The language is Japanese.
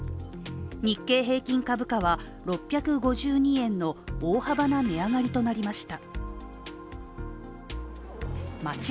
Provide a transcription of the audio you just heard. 日経平均株価は６５２円の大幅な値上がりとなりました。